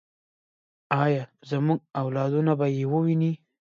آیا زموږ اولادونه به یې وویني؟